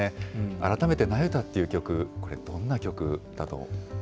改めてナユタっていう曲、どんな曲だと？